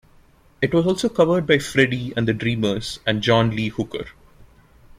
It was also covered by Freddie and the Dreamers and John Lee Hooker.